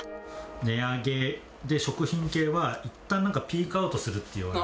値上げで食品系はいったんなんかピークアウトするというような。